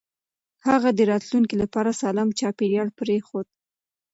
هغه د راتلونکي لپاره سالم چاپېريال پرېښود.